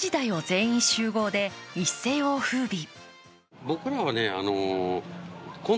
全員集合」で一世をふうび。